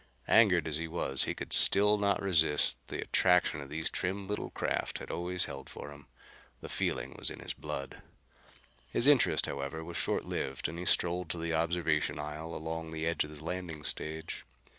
Angered as he was, he still could not resist the attraction these trim little craft had always held for him. The feeling was in his blood. His interest, however, was short lived and he strolled to the observation aisle along the edge of the landing stage.